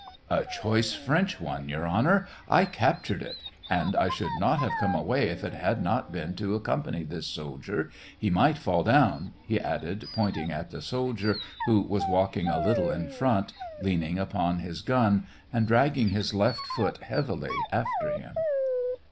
. "A choice French one, Your Honor! I cap tured it. And I should not have come away if it had not been to accompany this soldier ; he might fall down," he added, pointing at the soldier, who was walking a little in front, leaning upon his gun, and dragging his left foot heavily after him.